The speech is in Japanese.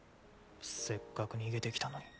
せっかく逃げてきたのに。